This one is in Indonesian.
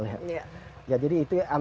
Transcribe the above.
karena itu punya daerahnya tidak boleh dijual